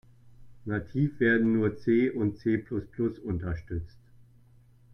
Nativ werden nur C und C-plus-plus unterstützt.